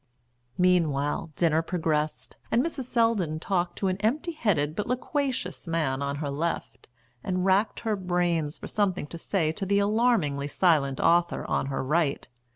Meanwhile dinner progressed, and Mrs. Selldon talked to an empty headed but loquacious man on her left, and racked her brains for something to say to the alarmingly silent author on her right.